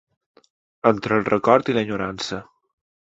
Entre el record i l'enyorança.